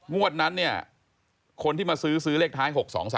งวดนั้นเนี่ยคนที่มาซื้อซื้อเลขท้าย๖๒๓